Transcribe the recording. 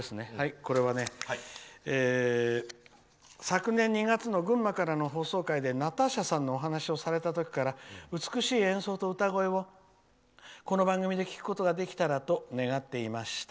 「昨年２月の群馬からの放送回でナターシャさんのお話をされた時から美しい演奏と歌声をこの番組で聴くことができたらと願っていました。